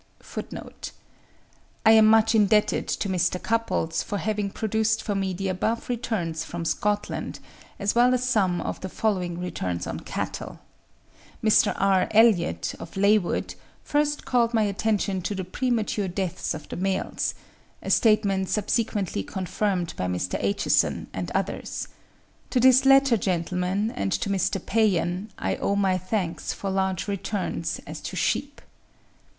(59. I am much indebted to Mr. Cupples for having procured for me the above returns from Scotland, as well as some of the following returns on cattle. Mr. R. Elliot, of Laighwood, first called my attention to the premature deaths of the males, —a statement subsequently confirmed by Mr. Aitchison and others. To this latter gentleman, and to Mr. Payan, I owe my thanks for large returns as to sheep.)